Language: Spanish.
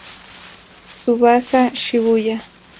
Tsubasa Shibuya